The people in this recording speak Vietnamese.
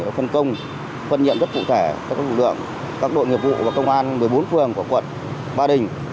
công an quận ba đình đã phân công phân nhiệm rất cụ thể các đội nghiệp vụ và công an một mươi bốn phương của quận ba đình